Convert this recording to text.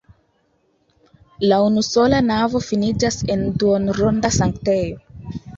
La unusola navo finiĝas en duonronda sanktejo.